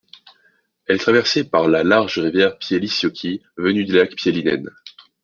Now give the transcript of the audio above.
Elle est traversée par la large rivière Pielisjoki venue du lac Pielinen.